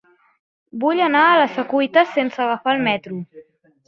Vull anar a la Secuita sense agafar el metro.